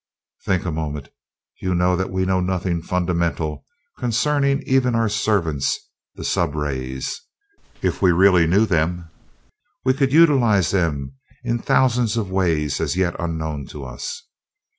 Think a moment! You know that we know nothing fundamental concerning even our servants, the sub rays. If we really knew them we could utilize them in thousands of ways as yet unknown to us.